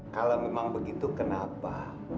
kalau memang begitu kenapa